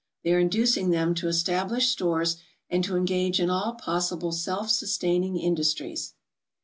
They are inducing them to establish stores and to engage in all possible self sustaining industries.